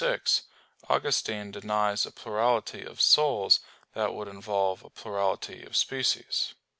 6: Augustine denies a plurality of souls, that would involve a plurality of species.